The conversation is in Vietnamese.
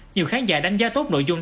nhiều khán giả đánh giá tốt nội dung